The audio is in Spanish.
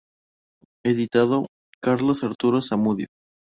Editado: Carlos Arturo Zamudio